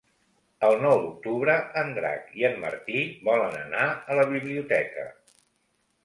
El nou d'octubre en Drac i en Martí volen anar a la biblioteca.